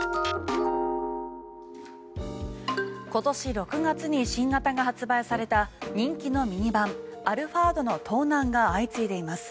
今年６月に新型が発売された人気のミニバンアルファードの盗難が相次いでいます。